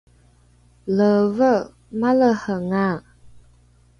leeve malehenga!